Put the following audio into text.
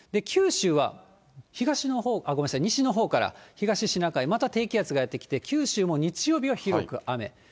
九州は西のほうから、東シナ海、また低気圧がやって来て、九州も日曜日は広く雨。